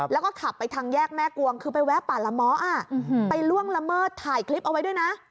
แล้วก็ขับไปทางแยกแม่กวงคือไปแวะป่าละเมาะไปล่วงละเมิดถ่ายคลิปเอาไว้ด้วยนะ